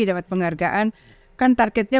dapat penghargaan kan targetnya